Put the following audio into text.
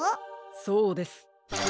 そうです。